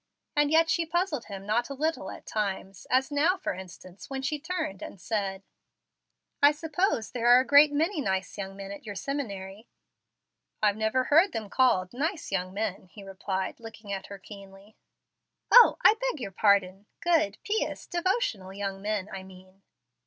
And yet she puzzled him not a little at times, as now for instance, when she turned and said, "I suppose there are a great many nice young men at your seminary." "I never heard them called' nice young men,'" he replied, looking at her keenly. "O, I beg your pardon, good, pious, devotional young men, I mean."